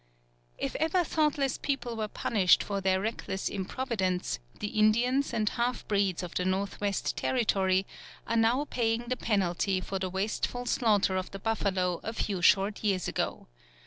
] If ever thoughtless people were punished for their reckless improvidence, the Indians and half breeds of the Northwest Territory are now paying the penalty for the wasteful slaughter of the buffalo a few short years ago.